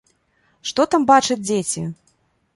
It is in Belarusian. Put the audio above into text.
Што там бачаць дзеці?